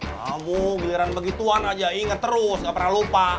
lagu giliran begituan aja inget terus gak pernah lupa